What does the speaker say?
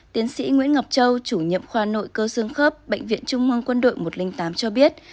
tiến sĩ nguyễn ngọc châu chủ nhiệm khoa nội cơ xương khớp bệnh viện trung ương quân đội một trăm linh tám cho biết